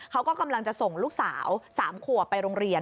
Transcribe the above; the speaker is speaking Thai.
เขาก็กำลังจะส่งลูกสาว๓ขวบไปโรงเรียน